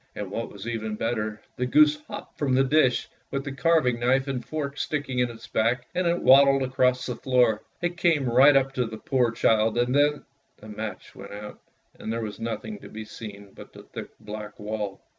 And what was even better, the goose hopped from the dish with the carving knife and fork sticking in his back, and it waddled across the floor. It came right up to the poor child, and then — the match went out, and there was nothing to be seen but the thick black wall.